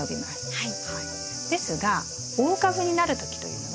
はい。